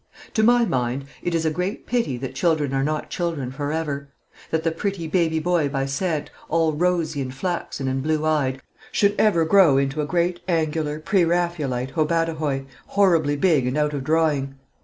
To my mind, it is a great pity that children are not children for ever that the pretty baby boy by Sant, all rosy and flaxen and blue eyed, should ever grow into a great angular pre Raphaelite hobadahoy, horribly big and out of drawing.